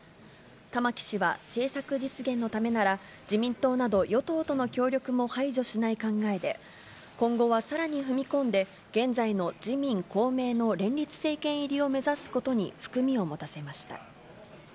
玉木氏は政策実現のためなら自民党など与党との協力も排除しない考えで、今後はさらに踏み込んで、現在の自民、公明の連立政権入りを目指すことに含みを持たせました。